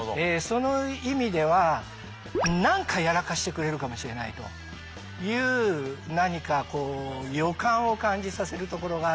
その意味では何かやらかしてくれるかもしれないという何かこう予感を感じさせるところがあって。